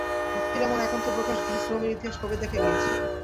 ভক্তির এমন একান্ত প্রকাশ গ্রীস-রোমের ইতিহাসে কবে দেখা দিয়েছে?